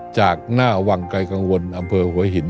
จากหน้าวังไกลกังวลอำเภอหัวหิน